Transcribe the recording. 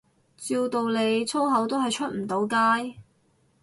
照道理粗口都係出唔到街